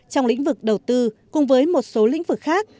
trong lĩnh vực đầu tư cùng với một số lĩnh vực khác